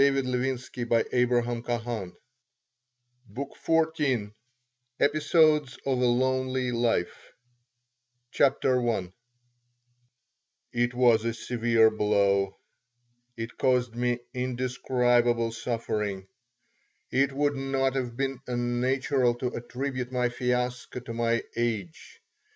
I had a crushing sense of final defeat BOOK XIV EPISODES OF A LONELY LIFE CHAPTER I IT was a severe blow. It caused me indescribable suffering. It would not have been unnatural to attribute my fiasco to my age.